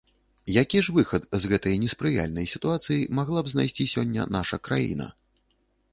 Які ж выхад з гэтай неспрыяльнай сітуацыі магла б знайсці сёння наша краіна?